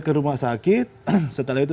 ke rumah sakit setelah itu